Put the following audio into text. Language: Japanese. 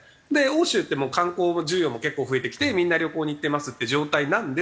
欧州ってもう観光需要も結構増えてきてみんな旅行に行ってますっていう状態なんですけど。